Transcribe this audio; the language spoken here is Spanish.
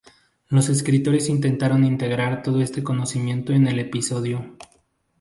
Los escritores intentaron integrar todo este conocimiento en el episodio.